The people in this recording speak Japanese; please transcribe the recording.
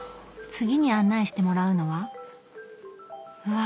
次に案内してもらうのはうわ